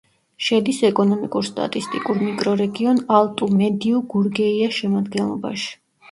შედის ეკონომიკურ-სტატისტიკურ მიკრორეგიონ ალტუ-მედიუ-გურგეიას შემადგენლობაში.